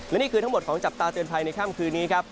และนี่คือทั้งหมดของจับตาเตือนภัยในค่ำคืนนี้ครับ